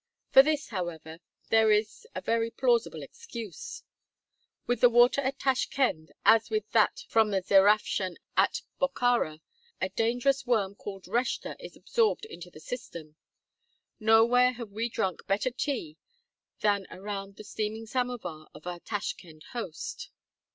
For this, however, there is a very 108 Across Asia on a Bicycle plausible excuse. With the water at Tashkend, as with that from the Zerafshan at Bokhara, a dangerous worm called reshta is absorbed into the system. Nowhere have we drunk better tea than around the steaming samovar of our Tashkend host.